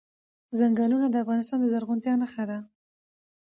چنګلونه د افغانستان د زرغونتیا نښه ده.